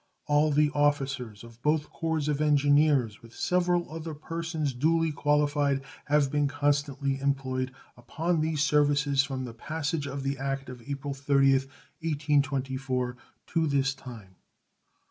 All the officers of both corps of engineers, with several other persons duly qualified, have been constantly employed upon these services from the passage of the act of April 30th, 1824, to this time.